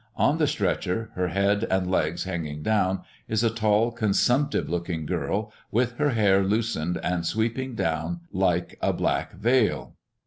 On the stretcher, her head and legs hanging down, is a tall, consumptive looking girl, with her hair loosened and sweeping down like a black veil.